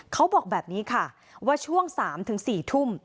เขาบอกแบบนี้ค่ะว่าช่วงสามถึงสี่ทุ่ม